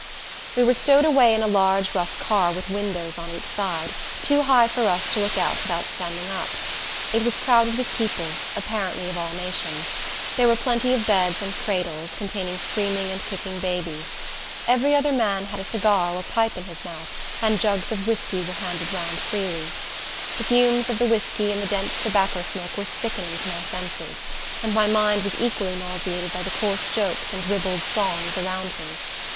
We were stowed away in a large, rough car, with windows on each side, too high for us to look out without standing up. It was crowded with people, apparently of all nations. There were plenty of beds and cradles, containing screaming and kicking babies. Every other man had a cigar or pipe in his mouth, and jugs of whiskey were handed round freely. The fumes of the whiskey and the dense tobacco smoke were sickening to my senses, and my mind was equally nauseated by the coarse jokes and ribald songs around me.